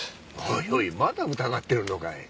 おいおいまだ疑ってるのかい？